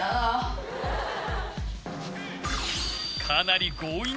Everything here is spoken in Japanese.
かなり。